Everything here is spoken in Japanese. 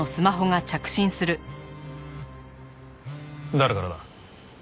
誰からだ？